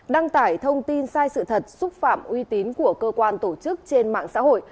đăng tải thông tin sai sự thật xúc phạm uy tín của cơ quan tổ chức trên mạng xã hội